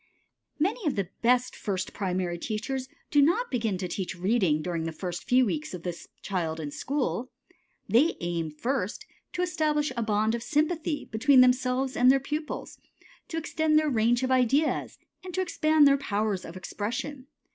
Many of the best first primary teachers do not begin to teach reading during the first few weeks of the child in school. They aim, first, to establish a bond of sympathy between themselves and their pupils, to extend their range of ideas, and to expand their powers of expression.